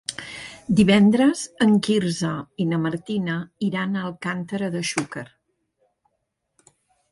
Divendres en Quirze i na Martina iran a Alcàntera de Xúquer.